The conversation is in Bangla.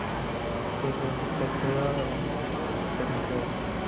যে ফিল্মটির সেট ছিল এবং ফিল্ম, পুরটাই ধ্বংস হয়েছে।